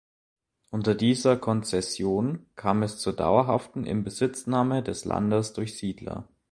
Unter dieser Konzession kam es zur dauerhaften Inbesitznahme des Landes durch Siedler.